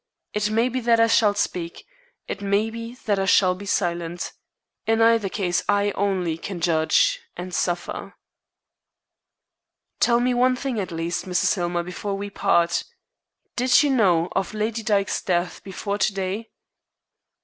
It may be that I shall speak. It may be that I shall be silent. In either case I only can judge and suffer." "Tell me one thing at least, Mrs. Hillmer, before we part. Did you know of Lady Dyke's death before to day?"